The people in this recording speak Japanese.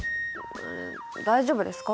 大丈夫ですか？